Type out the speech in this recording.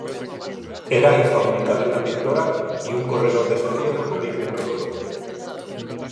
Era hija única de una pintora y un corredor de seguros de origen noruego.